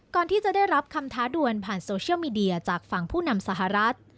ก่อนที่จะได้รับคำท้าด่วนผ่านโซเชียลมีเดียจากฝั่งผู้นำสหรัฐ